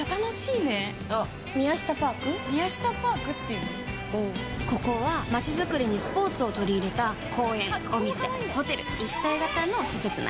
うんここは街づくりにスポーツをとり入れた公園・お店・ホテル一体型の施設なのここも三井不動産が手掛けてるの